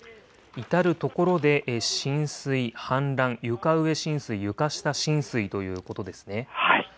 至る所で浸水、氾濫、床上浸水、床下浸水ということですね。